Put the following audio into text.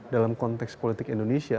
dalam konteks politik indonesia